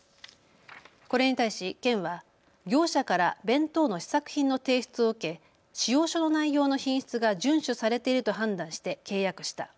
これに対し県は業者から弁当の試作品の提出を受け、仕様書の内容の品質が順守されていると判断して契約した。